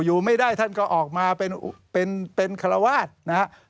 อยู่ไม่ได้ท่านก็ออกมาเป็นคารวาสนะครับ